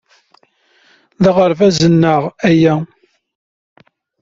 D aɣerbaz-nneɣ aya.